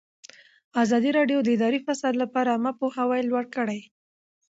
ازادي راډیو د اداري فساد لپاره عامه پوهاوي لوړ کړی.